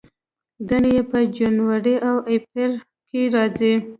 ګڼې یې په جنوري او اپریل کې راځي.